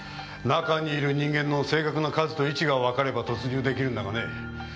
中にいる人間の正確な数と位置がわかれば突入できるんだがね。